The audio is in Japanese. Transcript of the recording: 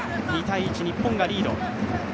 ２−１、日本がリード。